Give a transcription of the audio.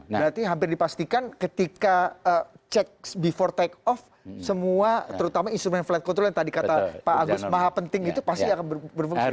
berarti hampir dipastikan ketika cek before take off semua terutama instrumen flight control yang tadi kata pak agus maha penting itu pasti akan berfungsi